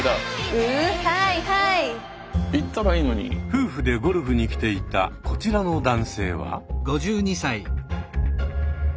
夫婦でゴルフに来ていたこちらの男性は。